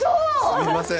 すみません。